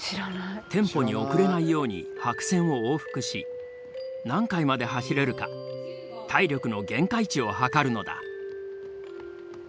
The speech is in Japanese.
テンポに遅れないように白線を往復し何回まで走れるか体力の限界値を測るのだ。